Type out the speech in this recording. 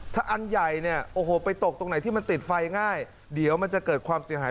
ถ้าอันใหญ่เนี่ยโอ้โหไปตกตรงไหนที่มันติดไฟง่ายเดี๋ยวมันจะเกิดความเสียหาย